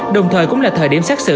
đồng thời cũng là thời điểm xác sự